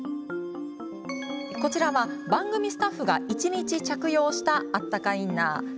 こちらは番組スタッフが一日着用したあったかインナー。